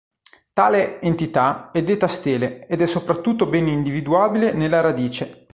Tale entità è detta stele ed è soprattutto ben individuabile nella radice.